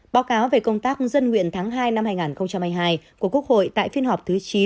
báo cáo về công tác dân nguyện tháng hai năm hai nghìn hai mươi hai của quốc hội tại phiên họp thứ chín